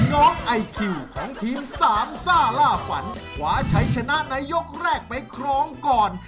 น้องไอคิวของทีมสามซ่าล่าฝันขวาชัยชนะในยกแรกไปครองก่อน